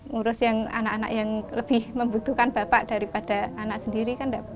ngurus yang anak anak yang lebih membutuhkan bapak daripada anak sendiri